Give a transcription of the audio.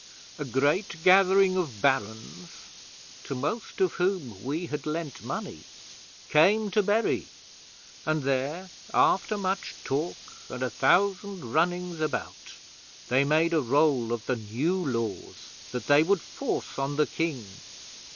'A great gathering of Barons (to most of whom we had lent money) came to Bury, and there, after much talk and a thousand runnings about, they made a roll of the New Laws that they would force on the King.